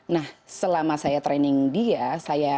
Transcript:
nah selama saya training dia